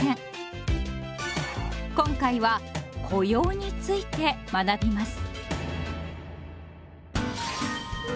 今回は「雇用」について学びます。